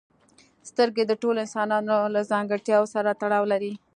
سترګې د ټولو انسانانو له ځانګړتیاوو سره تړاو لري.